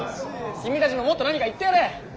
君たちももっと何か言ってやれ。